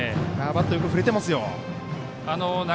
バット、よく振れてますよ。